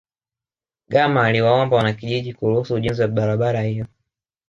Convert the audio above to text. gama aliwaomba wanakijiji kuruhusu ujenzi wa barabara hiyo